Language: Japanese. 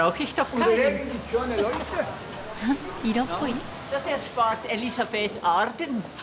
色っぽい？